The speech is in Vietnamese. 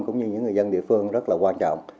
cũng như những người dân địa phương rất là quan trọng